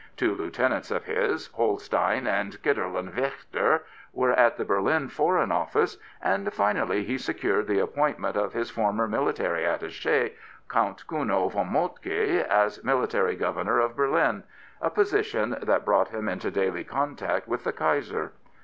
Two lieutenants of his, Holstein and Kiderlen Waechter, were at the 175 Prophets, Priests, and Kings Berlin Foreign Office, and finally he secured the appointment of his former military attach^, Count Kuno von Moltke, as Military Governor of Berlin, a position that brought him into daily contact with the Kaiser.